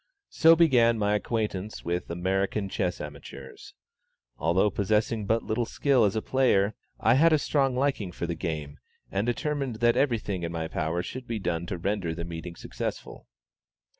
So began my acquaintance with American chess amateurs. Although possessing but little skill as a player, I had a strong liking for the game, and determined that every thing in my power should be done to render the meeting successful.